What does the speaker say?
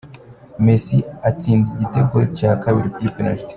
Messi atsinda igitego cya kabiri kuri penariti